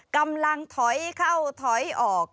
กำลังถอยเข้าถอยออก